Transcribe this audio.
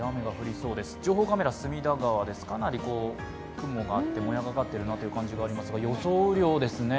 情報カメラ、隅田川、かなり雲があってもやがかっているという感じですが、予想雨量です。